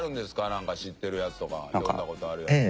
なんか知ってるやつとか読んだ事あるやつは。